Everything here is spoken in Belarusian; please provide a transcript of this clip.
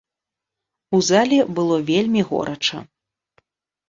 У зале было вельмі горача.